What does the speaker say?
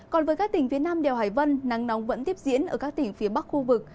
còn với các tỉnh phía nam đèo hải vân nắng nóng vẫn tiếp diễn ở các tỉnh phía bắc khu vực